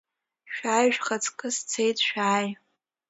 Шәааи, шәхаҵкы сцеит, шәааи!